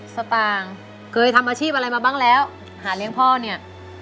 สตางค์เคยทำอาชีพอะไรมาบ้างแล้วหาเลี้ยงพ่อเนี่ย